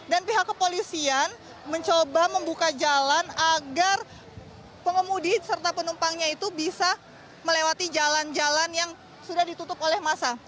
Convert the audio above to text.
dan pihak kepolisian mencoba membuka jalan agar pengemudi serta penumpangnya itu bisa melewati jalan jalan yang sudah ditutup oleh masa